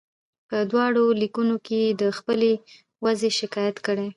په دواړو لیکونو کې یې د خپلې وضعې شکایت کړی.